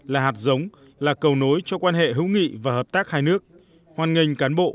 là hạt giống là cầu nối cho quan hệ hữu nghị và hợp tác hai nước hoàn ngành cán bộ